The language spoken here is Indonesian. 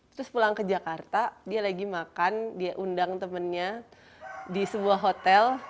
terus pulang ke jakarta dia lagi makan dia undang temennya di sebuah hotel